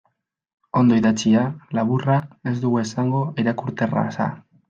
Ondo idatzia, laburra, ez dugu esango irakurterraza.